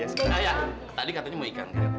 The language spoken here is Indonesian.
ayah tadi katanya mau ikan kan